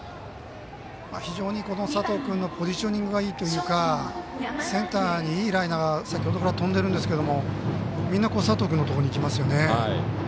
非常に佐藤君のポジショニングがいいというかセンターにいいライナー先ほどは飛んでるんですけどもみんな、佐藤君のところにいきますよね。